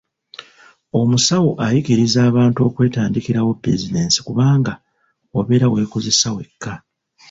Omusawo ayigiriza abantu okwetandikirawo bizinensi kubanga obeera weekozesa wekka.